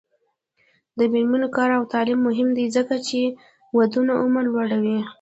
د میرمنو کار او تعلیم مهم دی ځکه چې ودونو عمر لوړوي.